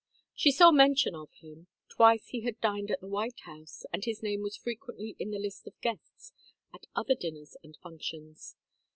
She saw mention of him. Twice he had dined at the White House, and his name was frequently in the list of guests at other dinners and functions.